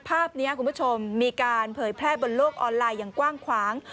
ภาพนี้คุณผู้ชมมีการเผยแพร่บนโลกออนไลน์อย่างกว้างขวาง